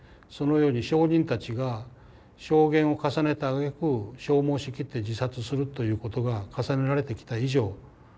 そのように証人たちが証言を重ねたあげく消耗しきって自殺するということが重ねられてきた以上